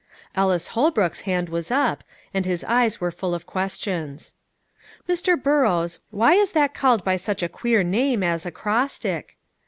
Ellis Holbrook's hand was up, and his eyes were full of questions. "Mr. Burrows, why is that called by such a queer name as acrostic?"